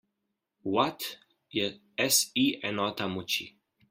Watt je SI enota moči.